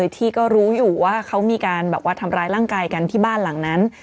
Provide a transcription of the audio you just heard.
ที่ก็รู้อยู่ว่าเขามีการแบบว่าทำร้ายร่างกายกันที่บ้านหลังนั้น